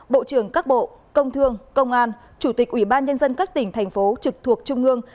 bộ trưởng các bộ công thương công an chủ tịch ủy ban nhân dân các tỉnh thành phố trực thuộc trung ương